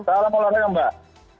salam olahraga mbak